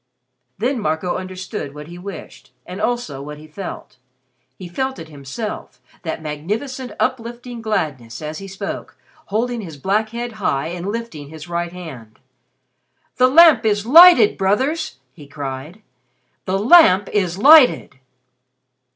Then Marco understood what he wished, and also what he felt. He felt it himself, that magnificent uplifting gladness, as he spoke, holding his black head high and lifting his right hand. "The Lamp is Lighted, brothers!" he cried. "The Lamp is Lighted!"